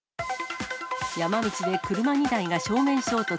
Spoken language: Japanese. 山道で車２台が正面衝突。